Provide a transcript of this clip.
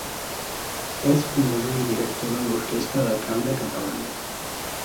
És fundador i director de l’Orquestra de Cambra Catalana.